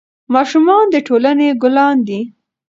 ماشومان د ټولنې ګلان دي.